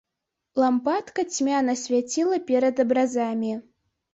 Лампадка цьмяна свяціла перад абразамі.